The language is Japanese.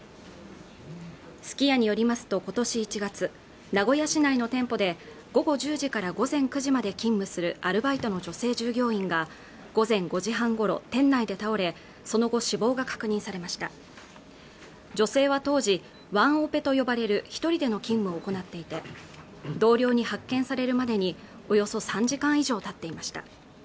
すき家によりますとことし１月名古屋市内の店舗で午後１０時から午前９時まで勤務するアルバイトの女性従業員が午前５時半ごろ店内で倒れその後死亡が確認されました女性は当時ワンオペと呼ばれる一人での勤務を行っていて同僚に発見されるまでにおよそ３時間以上たっていました